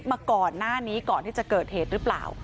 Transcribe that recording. มาก่อนหน้านี้ก่อนที่จะเกิดเหตุหรือเปล่า